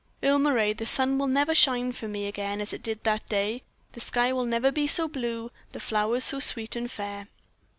"Earle Moray, the sun will never shine for me again as it did that day; the sky will never be so blue, the flowers so sweet and fair.